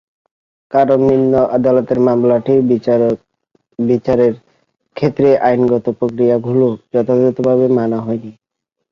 কারণ, নিম্ন আদালতে মামলাটির বিচারের ক্ষেত্রে আইনগত প্রক্রিয়াগুলো যথাযথভাবে মানা হয়নি।